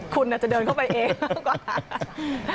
คุณอาจจะเดินเข้าไปเองกว่า